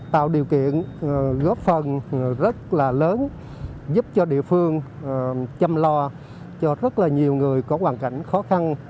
tạo điều kiện góp phần rất là lớn giúp cho địa phương chăm lo cho rất là nhiều người có hoàn cảnh khó khăn